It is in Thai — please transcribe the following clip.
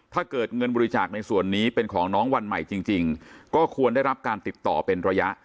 ถ้าเกิดเงินบริจาคในส่วนนี้เป็นของน้องวันใหม่จริงก็ควรได้รับการติดต่อเป็นระยะ